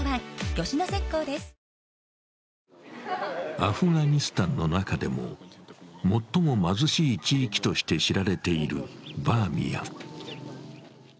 アフガニスタンの中でも最も貧しい地域として知られているバーミヤン。